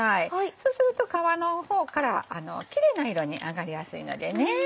そうすると皮の方からきれいな色に揚がりやすいのでね。